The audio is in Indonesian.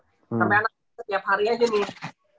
sampai anak setiap hari aja nih